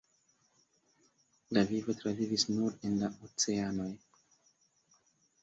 La vivo travivis nur en la oceanoj.